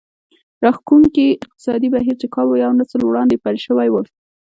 راښکوونکي اقتصادي بهير چې کابو يو نسل وړاندې پيل شوی و.